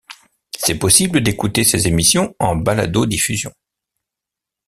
C'est possible d'écouter ces émissions en baladodiffusion.